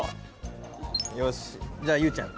よしじゃあゆうちゃん。